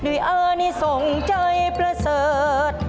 เมื่อนี้ทรงใจประเสริฐ